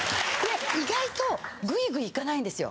意外とグイグイいかないんですよ。